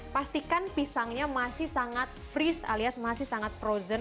pastikan pisangnya masih sangat freeze alias masih sangat frozen